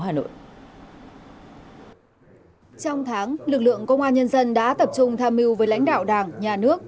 trong tháng lực lượng công an nhân dân đã tập trung tham mưu với lãnh đạo đảng nhà nước